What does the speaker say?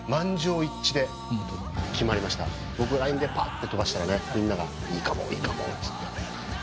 僕ＬＩＮＥでぱって飛ばしたらみんながいいかもいいかもって。